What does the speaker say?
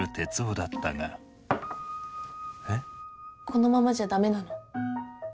このままじゃダメなの？